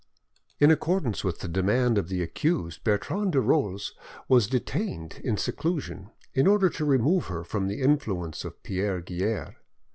In accordance with the demand of the accused, Bertrande de Rolls was detained in seclusion, in order to remove her from the influence of Pierre Guerre.